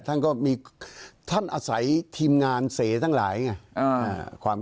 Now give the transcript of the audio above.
ท่านก็มีท่านอาศัยทีมงานเสทั้งหลายไง